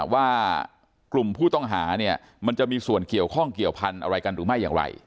ว่ากลุ่มผู้ต้องหาเนี่ยมันจะมีส่วนเกี่ยวข้องเกี่ยวพันธุ์อะไรกันหรือไม่อย่างไร